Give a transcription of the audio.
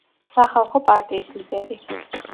სახალხო პარტიის ლიდერი.